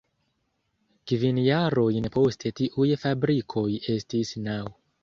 Kvin jarojn poste tiuj fabrikoj estis naŭ.